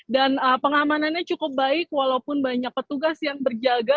dan pengamanannya cukup baik walaupun banyak petugas yang berjaga